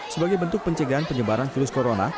sebagai bentuk pencegahan penyebaran virus corona